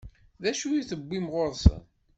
D acu i t-iwwin ɣur-sen?